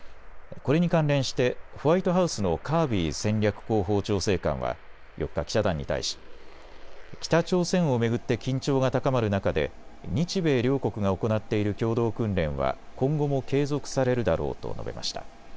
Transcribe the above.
これに関連してホワイトハウスのカービー戦略広報調整官は４日、記者団に対し北朝鮮を巡って緊張が高まる中で日米両国が行っている共同訓練は今後も継続されるだろうと述べました。